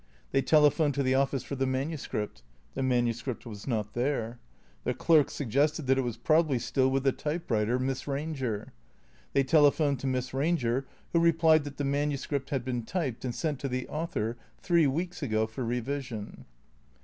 They telephoned to the office for the manuscript. The manu script was not there. The clerk suggested that it was probably still with the type writer. Miss Eanger. They telephoned to Miss Eanger, who replied that the manuscript had been typed and sent to the author three weeks ago for revision.